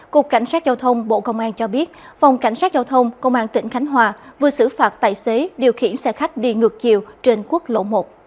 cục cảnh sát giao thông bộ công an cho biết phòng cảnh sát giao thông công an tỉnh khánh hòa vừa xử phạt tài xế điều khiển xe khách đi ngược chiều trên quốc lộ một